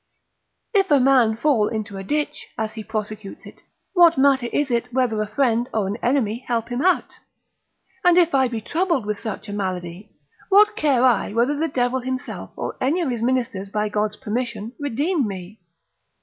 If a man fall into a ditch, as he prosecutes it, what matter is it whether a friend or an enemy help him out? and if I be troubled with such a malady, what care I whether the devil himself, or any of his ministers by God's permission, redeem me?